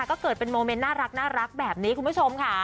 ก็เกิดเป็นโมเมนต์น่ารักแบบนี้คุณผู้ชมค่ะ